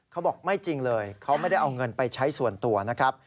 เขาบอกไม่จริงเลยเขาไม่ได้เอาเงินไปใช้ส่วนตัวนะครับ